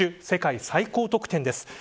世界最高得点です。